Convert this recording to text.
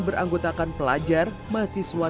beranggotakan pelajar mahasiswa